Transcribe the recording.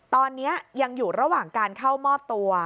ตอนนี้ยังอยู่ระหว่างการเข้ามอบตัว